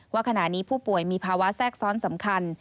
ว่าขณะนี้ผู้ป่วยมีภาวะแทรกซ้อนสำคัญ